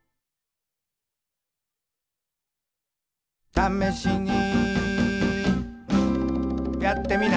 「ためしにやってみな」